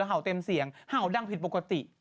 เห่าเต็มเสียงเห่าดังผิดปกติ